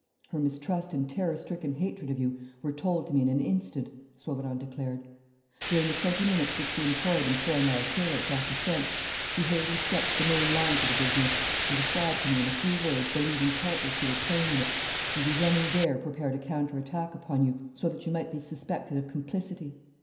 "Her mistrust and terror stricken hatred of you were told to me in an instant," Sauverand declared. "During the twenty minutes which we employed in throwing our assailants off the scent, she hurriedly sketched the main lines of the business and described to me in a few words the leading part which you were playing in it; and we then and there prepared a counter attack upon you, so that you might be suspected of complicity.